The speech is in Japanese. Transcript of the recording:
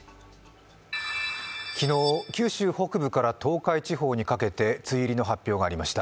昨日、九州北部から東海地方にかけて梅雨入りの発表がありました。